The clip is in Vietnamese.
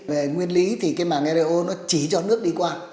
về nguyên lý thì cái màng eu nó chỉ cho nước đi qua